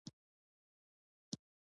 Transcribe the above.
مرهټیانو شاه عالم ته وفاداري ښودلې وه.